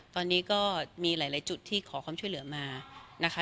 ตอนนี้ก็มีหลายจุดที่ขอความช่วยเหลือมานะคะ